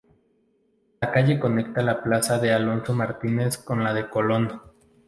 La calle conecta la plaza de Alonso Martínez con la de Colón.